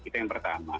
itu yang pertama